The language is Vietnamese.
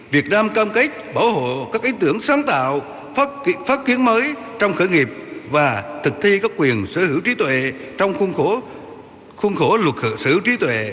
việt nam cam kết bảo hộ các ý tưởng sáng tạo phát kiến mới trong khởi nghiệp và thực thi các quyền sở hữu trí tuệ trong khuôn khổ luật sở hữu trí tuệ